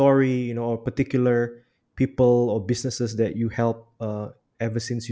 orang atau bisnis tertentu yang anda bantu